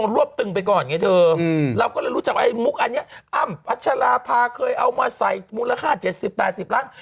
เราก็รู้จักว่ามุกอันเนี่ยอัมพระชาภาเคยเอามาใส่มูลค่า๗๐๘๐ล้าง